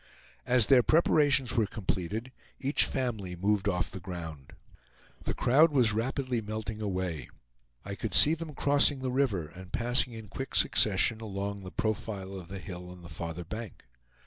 As their preparations were completed, each family moved off the ground. The crowd was rapidly melting away. I could see them crossing the river, and passing in quick succession along the profile of the hill on the farther bank.